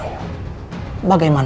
ibu muda impatient